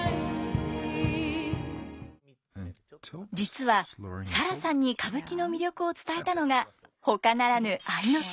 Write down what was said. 実はサラさんに歌舞伎の魅力を伝えたのがほかならぬ愛之助さん。